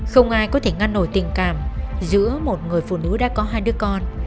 không ai có thể ngăn nổi tình cảm giữa một người phụ nữ đã có hai đứa con